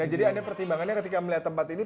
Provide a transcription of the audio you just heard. jadi ada pertimbangannya ketika melihat tempat ini